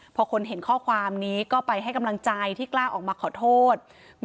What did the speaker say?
พอคนเห็นข้อความนี้ก็ไปให้กำลังใจที่กล้าออกมาขอโทษ